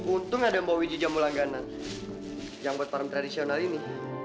untung ada mbak widjijamulangganan yang buat parham tradisional ini